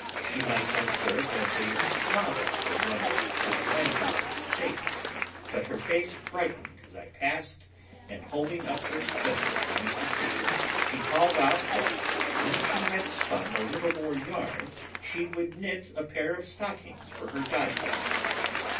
She might have served as a model for one of Michelangelo's Fates, but her face brightened as I passed and, holding up her spindle for me to see, she called out that when she had spun a little more yarn, she would knit a pair of stockings for her goddaughter.